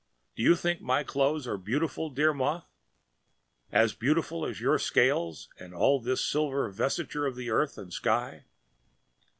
Do you think my clothes are beautiful, dear moth? As beautiful as your scales and all this silver vesture of the earth and sky?